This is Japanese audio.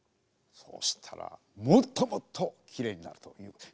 そしたらもっともっときれいになるという。